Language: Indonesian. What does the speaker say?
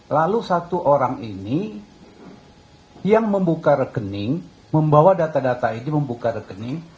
lalu satu orang ini yang membuka rekening membawa data data ini membuka rekening